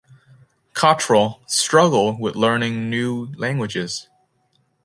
Cottrell struggled with learning new languages.